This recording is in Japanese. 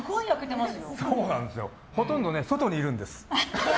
ほとんど外にいるんです。